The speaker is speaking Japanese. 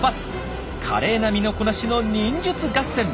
華麗な身のこなしの忍術合戦。